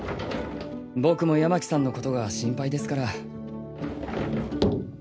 僕も山喜さんのことが心配ですから。